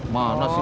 yang kita jaga